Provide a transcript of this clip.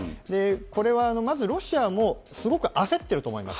これはまずロシアも、すごく焦ってると思います。